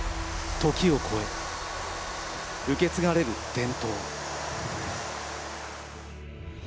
時を超え受け継がれる伝統。